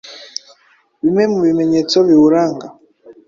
Bimwe mu bimenyetso biwuranga